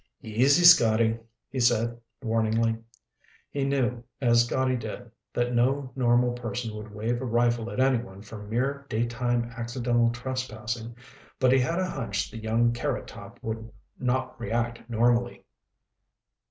"Easy, Scotty," he said warningly. He knew, as Scotty did, that no normal person would wave a rifle at anyone for mere daytime accidental trespassing, but he had a hunch the young carrot top would not react normally.